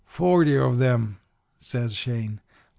"'Forty of 'em,' says Shane.